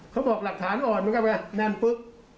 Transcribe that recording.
เขาบอกหลักฐานอ่อนมันก็เป็นไงแน่นปุ๊บ